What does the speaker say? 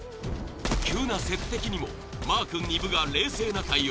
急な接敵にもマー君丹生が冷静な対応。